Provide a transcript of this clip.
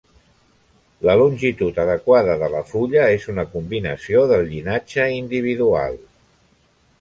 La longitud adequada de la fulla és una combinació del llinatge i individual.